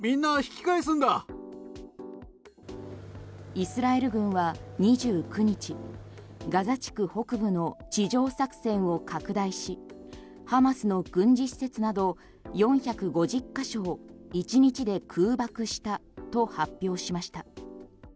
イスラエル軍は２９日ガザ地区北部の地上作戦を拡大しハマスの軍事施設など４５０ヶ所を１日で空爆したと発表しました。